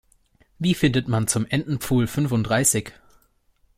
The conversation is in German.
Wie findet man zum Entenpfuhl fünfunddreißig?